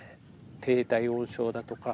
低体温症だとか。